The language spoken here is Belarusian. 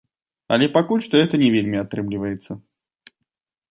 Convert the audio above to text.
Але пакуль што гэта не вельмі атрымліваецца.